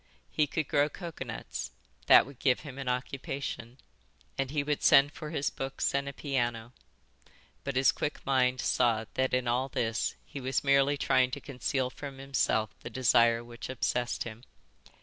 He could grow coconuts; that would give him an occupation; and he would send for his books and a piano; but his quick mind saw that in all this he was merely trying to conceal from himself the desire which obsessed him.